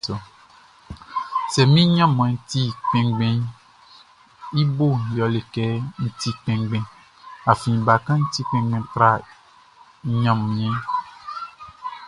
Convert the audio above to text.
Sɛ min ɲinmaʼn ti kpinngbinʼn, i boʼn yɛle kɛ n ti kpinngbin, afin bakanʼn ti kpinngbin tra nanninʼn.